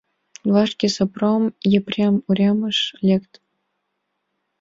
Вашке Сопром Епрем уремыш лекте.